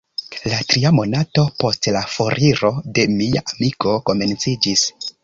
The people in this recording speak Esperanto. La tria monato post la foriro de mia amiko komenciĝis.